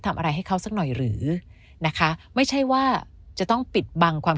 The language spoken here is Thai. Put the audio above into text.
ทำอะไรให้เขาสักหน่อยหรือนะคะไม่ใช่ว่าจะต้องปิดบังความ